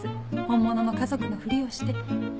本物の家族のふりをして。